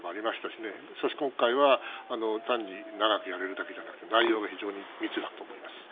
しかし、今回は単に長くやれるだけじゃなくて内容が非常に密だと思います。